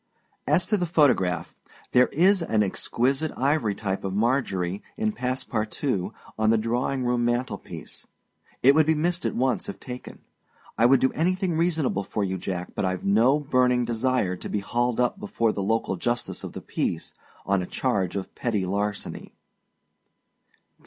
As to the photograph. There is an exquisite ivory type of Marjorie, in passe partout, on the drawing room mantel piece. It would be missed at once if taken. I would do anything reasonable for you, Jack; but Iâve no burning desire to be hauled up before the local justice of the peace, on a charge of petty larceny.